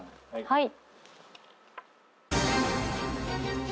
はい！